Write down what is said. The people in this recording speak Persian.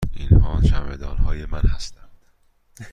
اینها چمدان های من هستند.